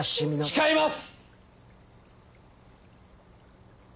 誓います！